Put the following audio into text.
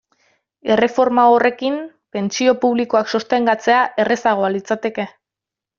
Erreforma horrekin, pentsio publikoak sostengatzea errazagoa litzateke.